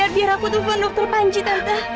biar aku telfon dokter panji tante